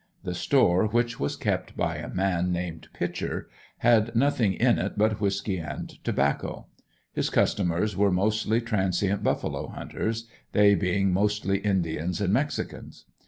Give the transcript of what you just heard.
The store, which was kept by a man named Pitcher, had nothing in it but whisky and tobacco. His customers were mostly transient buffalo hunters, they being mostly indians and mexicans.